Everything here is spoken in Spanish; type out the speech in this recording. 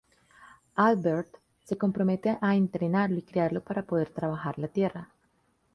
Albert se compromete a entrenarlo y criarlo para poder trabajar la tierra.